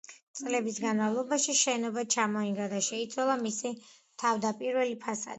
წლების განმავლობაში შენობა ჩამოინგრა და შეიცვალა მისი თავდაპირველი ფასადი.